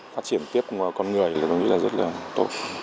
phát triển tiếp con người là rất là tốt